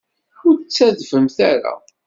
Ur d-ttadfemt ara.